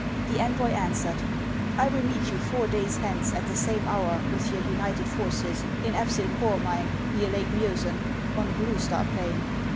The envoy answered :" I will meet you four days hence, at the same hour, with your united forces, in Apsyl Corh mine, near Lake Miosen, on Blue Star plain.